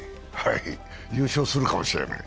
優勝するかもしれない。